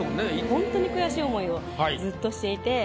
ホントに悔しい思いをずっとしていて。